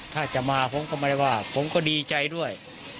ถ้าจะมาผมก็ไม่ได้ว่าผมก็ดีใจด้วย